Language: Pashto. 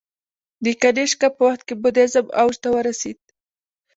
د کنیشکا په وخت کې بودیزم اوج ته ورسید